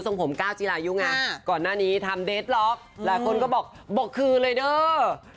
ทรงผมก้าวจีรายุงอ่ะก่อนหน้านี้ทำเด็ดล็อคหลายคนก็บอกบกคืนเลยเนอะ